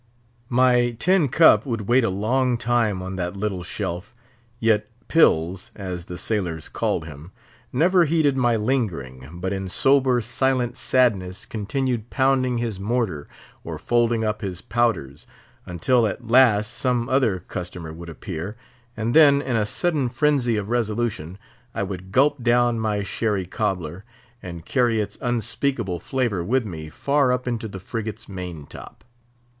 My tin cup would wait a long time on that little shelf; yet "Pills," as the sailors called him, never heeded my lingering, but in sober, silent sadness continued pounding his mortar or folding up his powders; until at last some other customer would appear, and then in a sudden frenzy of resolution, I would gulp down my sherry cobbler, and carry its unspeakable flavour with me far up into the frigate's main top.